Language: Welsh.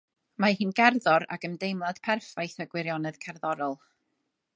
Mae hi'n gerddor ag ymdeimlad perffaith â gwirionedd cerddorol.